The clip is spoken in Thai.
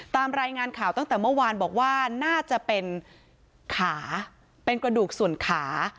ตามรายงานข่าวตั้งแต่เมื่อวานบอกว่าน่าจะเป็นขาเป็นกระดูกส่วนขา